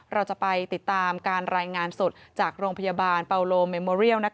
เราจะไปติดตามการรายงานสดจากโรงพยาบาลเปาโลเมโมเรียล